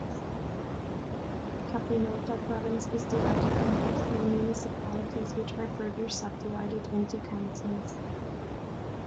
Capinota Province is divided into three municipalities which are further subdivided into cantons.